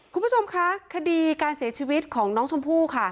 คุณผู้ชมคะคดีการเสียชีวิตของน้องชมพู่ค่ะ